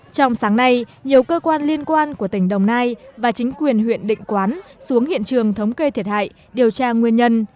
trong sáng nay nhiều cơ quan liên quan của tỉnh đồng nai và chính quyền huyện định quán xuống hiện trường thống kê thiệt hại điều tra nguyên nhân